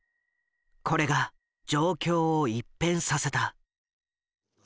これが状況を一変させた。